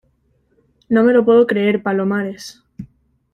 no me lo puedo creer, Palomares.